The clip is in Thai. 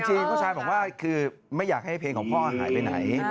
จริงผู้ชายบอกว่าคือไม่อยากให้เพลงของพ่อหายไปไหน